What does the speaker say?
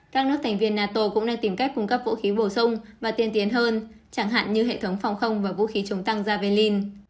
các nước thành viên nato cũng đang tìm cách cung cấp vũ khí bổ sung và tiên tiến hơn chẳng hạn như hệ thống phòng không và vũ khí chống tăng javelin